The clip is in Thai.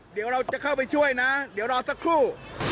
เดี๋ยวเราจะเข้าไปช่วยนะเดี๋ยวรอสักครู่